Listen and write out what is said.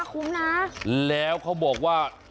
อีกแล้วแล้วเขาบอกว่า